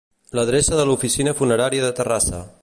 L'adreça de l'oficina funerària de Terrassa.